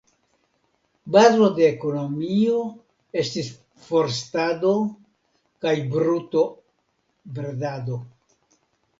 Bazo de ekonomio estis forstado kaj brutobredado.